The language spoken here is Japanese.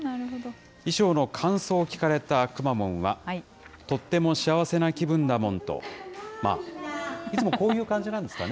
衣装の感想を聞かれたくまモンは、とっても幸せな気分だモンと、いつもこういう感じなんですかね。